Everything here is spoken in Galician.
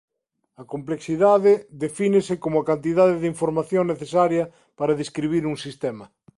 A complexidade defínese como a cantidade de información necesaria para describir un sistema.